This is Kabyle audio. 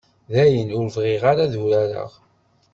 Dayen, ur bɣiɣ ara ad urareɣ.